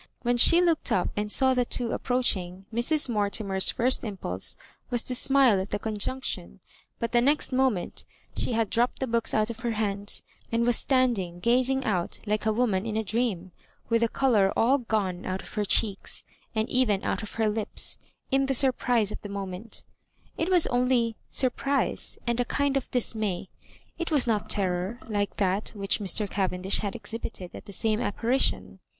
When she looked up and saw the two approach ing, Mrs. Mortimer's first impulse was to smile at the conjunction ; but the next moment she had dropped the books out of her hands, and was standing gazing out like a woman in a dream, with the colour all gone out of her cheeks, and even out of her lips, in the surprise of the mo ment It was only surprise and a kind of dis may; it was not terror, like that which Mr. Cavendish had exhibited at the same apparition.